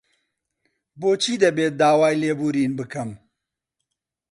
بۆچی دەبێت داوای لێبوورین بکەم؟